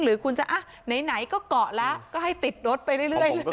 หรือคุณจะไหนก็เกาะแล้วก็ให้ติดรถไปเรื่อย